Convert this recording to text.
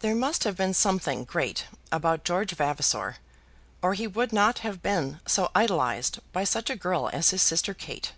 There must have been something great about George Vavasor, or he would not have been so idolized by such a girl as his sister Kate.